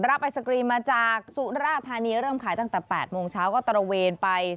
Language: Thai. ไอศกรีมมาจากสุราธานีเริ่มขายตั้งแต่๘โมงเช้าก็ตระเวนไป